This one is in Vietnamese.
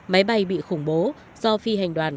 máy bay bị khủng bố do phi hành đoàn